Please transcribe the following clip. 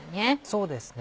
そうですね